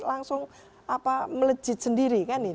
langsung melejit sendiri